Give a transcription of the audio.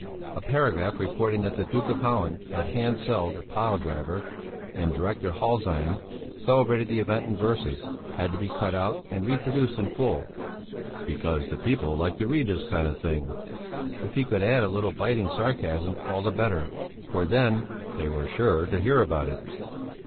A paragraph reporting that the Duke of Halland had handselled a pile driver, and Director Holzheim celebrated the event in verses, had to be cut out and reproduced in full "because the people liked to read this kind of thing"; if he could add a little biting sarcasm, all the better, for then "they were sure to hear about it."